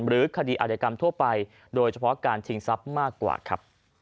หรือคดีอาจยกรรมทั่วไปโดยเฉพาะการชิงทรัพย์มากกว่าครับ